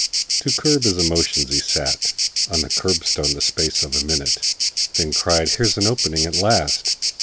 To curb his emotions, he sat On the curbstone the space of a minute, Then cried, "Here's an opening at last!"